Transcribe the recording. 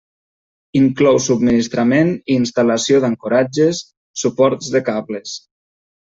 Inclou subministrament i instal·lació d'ancoratges, suports de cables.